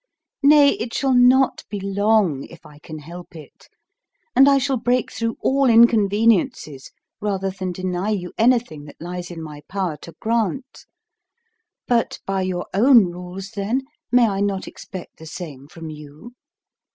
Nay, it shall not be long (if I can help it), and I shall break through all inconveniences rather than deny you anything that lies in my power to grant. But by your own rules, then, may I not expect the same from you?